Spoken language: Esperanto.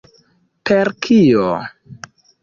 Per kio?